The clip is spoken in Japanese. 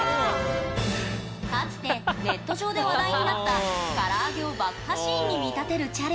かつてネット上で話題になった唐揚げを爆破シーンに見立てるチャレンジ。